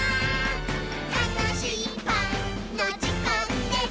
「たのしいパンのじかんです！」